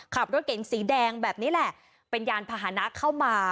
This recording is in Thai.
ขับรถเก๋งสีแดงแบบนี้แหละเป็นยานพาหนะเข้ามา